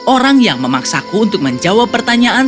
orang yang memaksaku untuk menjawab pertanyaan